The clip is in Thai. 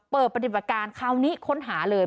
เปิดปฏิบัติการคราวนี้ค้นหาเลย